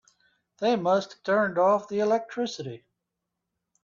They must have turned off the electricity.